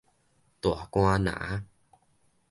大竿林